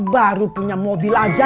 baru punya mobil aja